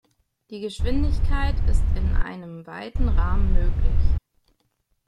Die Geschwindigkeit ist in einem weiten Rahmen möglich.